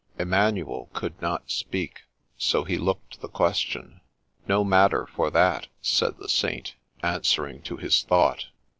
Emmanuel could not speak, so he looked the question. ' No matter for that,' said the Saint, answering to his thought.